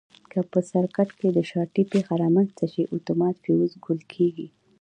که په سرکټ کې د شارټي پېښه رامنځته شي اتومات فیوز ګل کېږي.